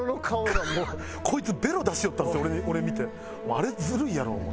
あれずるいやろお前。